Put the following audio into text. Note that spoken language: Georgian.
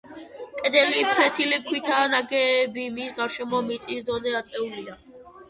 კედელი ფლეთილი ქვითაა ნაგები, მის გარშემო მიწის დონე აწეულია.